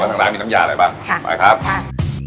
ทางร้านมีน้ำยาอะไรบ้างค่ะมาครับค่ะ